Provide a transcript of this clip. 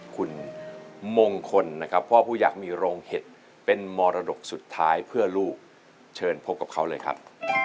คุณมงคลนะครับพ่อผู้อยากมีโรงเห็ดเป็นมรดกสุดท้ายเพื่อลูกเชิญพบกับเขาเลยครับ